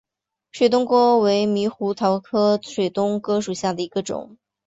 水东哥为猕猴桃科水东哥属下的一个种。